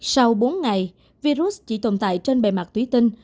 sau bốn ngày virus chỉ tồn tại trên bề mặt túy tinh